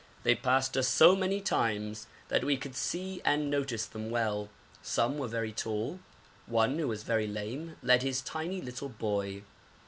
They passed us so many times that we could see and notice them well. Some were very tall; one who was very lame led his tiny little boy.